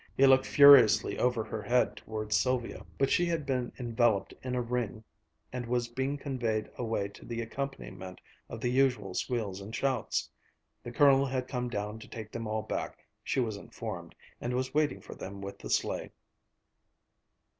He looked furiously over her head towards Sylvia, but she had been enveloped in a ring and was being conveyed away to the accompaniment of the usual squeals and shouts. The Colonel had come down to take them all back, she was informed, and was waiting for them with the sleigh.